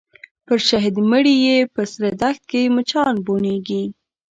پر شهید مړي یې په سره دښت کي مچان بوڼیږي